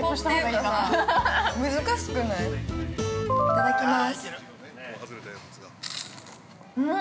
◆いただきます。